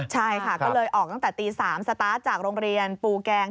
ใช่ค่ะก็เลยออกตั้งแต่ตี๓สตาร์ทจากโรงเรียนปูแกง